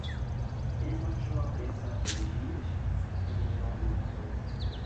"Eles não tinham a prensa naqueles dias?" o menino argumentou.